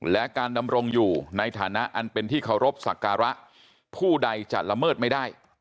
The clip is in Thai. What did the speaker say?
และการดำรงอยู่ในฐานะอันเป็นที่เคารพสักการะผู้ใดจะละเมิดไม่ได้